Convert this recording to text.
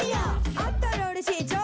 「あったらうれしい調味料！」